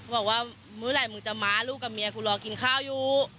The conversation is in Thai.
บอกว่าเมื่อไหร่มึงจะมาลูกกับเมียกูรอกินข้าวอยู่